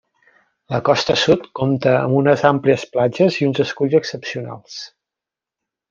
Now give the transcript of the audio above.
La costa sud compta amb unes àmplies platges i uns esculls excepcionals.